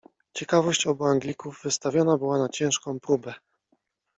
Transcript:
Ciekawość obu Anglików wystawiona była na ciężką próbę.